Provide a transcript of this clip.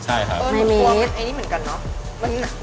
อันนี้เหมือนกันเนอะ